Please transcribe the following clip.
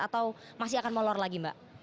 atau masih akan molor lagi mbak